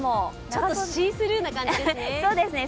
ちょっとシースルーな感じですね。